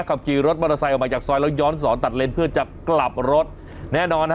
ขับขี่รถมอเตอร์ไซค์ออกมาจากซอยแล้วย้อนสอนตัดเลนเพื่อจะกลับรถแน่นอนฮะ